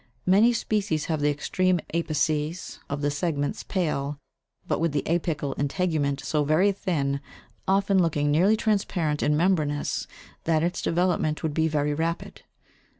Many species have the extreme apices of the segments pale, but with the apical integument so very thin, often looking nearly transparent and membranous, that its development would be very rapid.